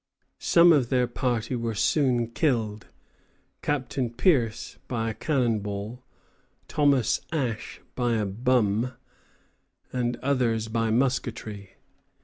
Some of their party were soon killed, Captain Pierce by a cannon ball, Thomas Ash by a "bumb," and others by musketry.